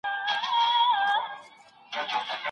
مثبت خاطرات وساتئ.